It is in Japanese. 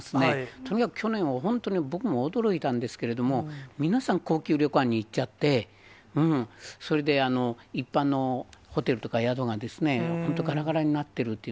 とにかく去年は本当に僕も驚いたんですけれども、皆さん、高級旅館に行っちゃって、それで一般のホテルとか宿が本当、がらがらになってるっていう。